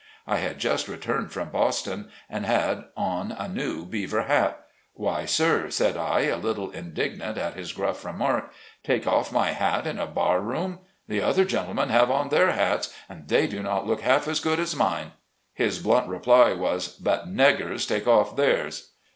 I had just returned from Boston, and had on a new beaver hat. "Why, sir," said I, a little indignant at his gruff remark, "take off my hat in a bar room ! The other gentlemen have on their hats, and they do not look half as good as mine." His blunt reply was, "But neggers take off theirs."